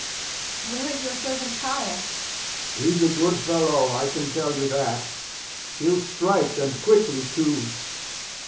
Where is your servant Caius? Lear. He's a good fellow, I can tell you that. He'll strike, and quickly too.